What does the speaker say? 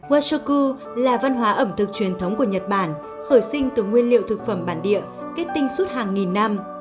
watchuku là văn hóa ẩm thực truyền thống của nhật bản khởi sinh từ nguyên liệu thực phẩm bản địa kết tinh suốt hàng nghìn năm